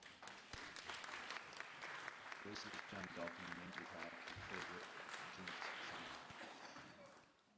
Bassist John Dalton named the track his favorite Kinks song.